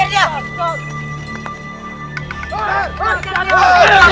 tidak ada sombong lagi